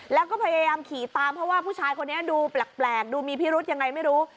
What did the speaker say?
แล้วก็พยายามขี่ตามเพราะว่าผู้ชายคนนี้ดูแปลกดูมีพิรุธยังไงไม่รู้